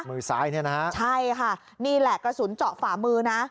มือซ้ายเนี่ยนะฮะใช่ค่ะนี่แหละกระสุนเจาะฝ่ามือนะ